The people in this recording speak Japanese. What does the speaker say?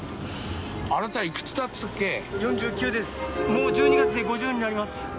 もう１２月で５０になります。